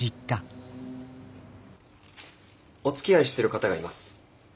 おつきあいしている方がいます。